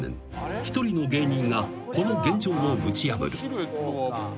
［一人の芸人がこの現状を打ち破る］